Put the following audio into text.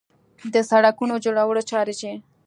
د سړکونو جوړولو چارې چې